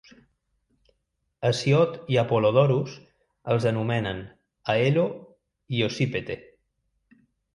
Hesiod i Apollodorus els anomenen: Aello i Ocypete.